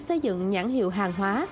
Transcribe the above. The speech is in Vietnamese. xây dựng nhãn hiệu hàng hóa